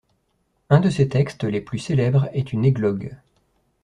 Un de ses textes les plus célèbres est une églogue.